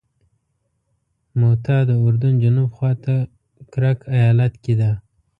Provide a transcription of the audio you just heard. موته د اردن جنوب خواته کرک ایالت کې ده.